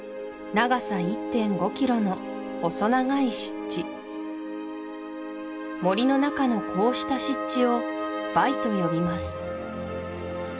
長さ１．５ｋｍの細長い湿地森の中のこうした湿地をバイと呼びます